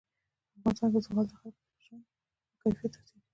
په افغانستان کې زغال د خلکو د ژوند په کیفیت تاثیر کوي.